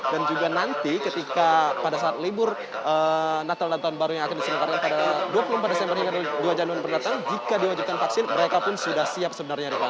dan juga nanti ketika pada saat libur natal dan tahun baru yang akan disimpan pada dua puluh empat desember hingga dua januari berdatang jika diwajibkan vaksin mereka pun sudah siap sebenarnya riva